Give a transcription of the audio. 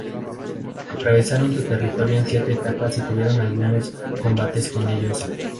Atravesaron su territorio en siete etapas y tuvieron algunos combates con ellos.